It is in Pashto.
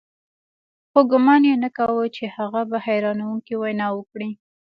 خو ګومان یې نه کاوه چې هغه به حیرانوونکې وینا وکړي